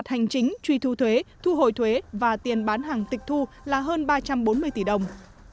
hành chính truy thu thuế thu hồi thuế và tiền bán hàng tịch thu là hơn ba trăm bốn mươi tỷ đồng